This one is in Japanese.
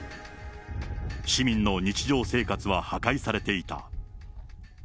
市民の日常生活は破壊されていた。